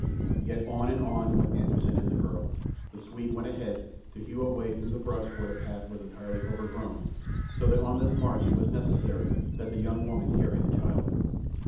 Yet on and on went Anderssen and the girl. The Swede went ahead, to hew a way through the brush where the path was entirely overgrown, so that on this march it was necessary that the young woman carry the child.